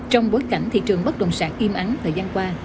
trong bối cảnh thị trường bất động sản im ắng thời gian qua